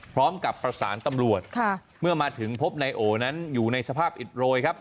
พร้อมกับประสานตำรวจเมื่อมาถึงพบนายโอนั้นอยู่ในสภาพอิดโรยครับ